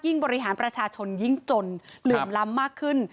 บริหารประชาชนยิ่งจนเหลื่อมล้ำมากขึ้น